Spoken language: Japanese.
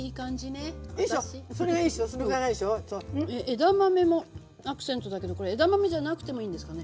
枝豆もアクセントだけどこれ枝豆じゃなくてもいいんですかね？